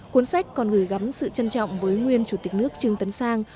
cuốn sách còn gửi gắm sự trân trọng với nguyên chủ tịch nước trương tấn sang